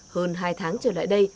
hơn hai tháng trở lại đây